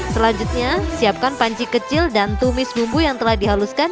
selanjutnya siapkan panci kecil dan tumis bumbu yang telah dihaluskan